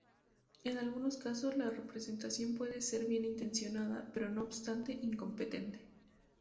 En algunos casos, la representación puede ser bien intencionada, pero, no obstante, incompetente.